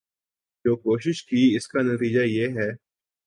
جو کوشش کی اس کا نتیجہ یہ ہے ۔